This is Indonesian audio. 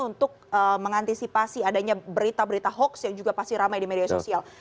untuk mengantisipasi adanya berita berita hoax yang juga pasti ramai di media sosial